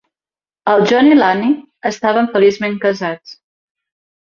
En John i l'Anne estaven feliçment casats.